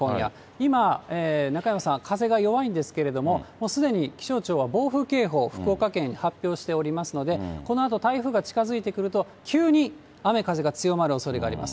今、中山さん、風が弱いんですけれども、すでに気象庁は暴風警報、福岡県に発表しておりますので、このあと台風が近づいてくると、急に雨風が強まるおそれがあります。